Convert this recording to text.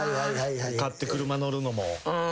買って車乗るのも。